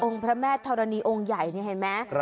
พระแม่ธรณีองค์ใหญ่นี่เห็นไหม